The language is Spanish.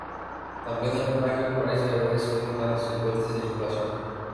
también el plagio parece haber sido una de sus fuentes de inspiración